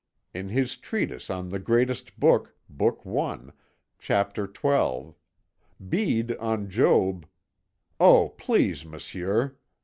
"In his treatise on The Greatest Good, Book I, Chapter XII; Bede on Job " "Oh, please, Monsieur